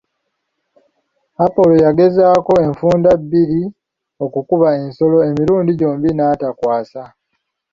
Apolo yagezaako enfunda bbiri okukuba ensolo, emirundi gyombi n'atakwasa.